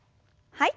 はい。